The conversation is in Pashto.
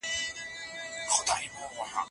د مېوې ونې په دې لوی باغ کې کرل کېږي.